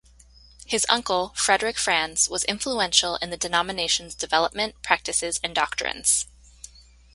His uncle, Frederick Franz, was influential in the denomination's development, practices and doctrines.